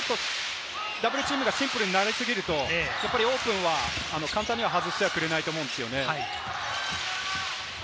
ダブルチームがシンプルになり過ぎると簡単には外してくれないと思うんですよね。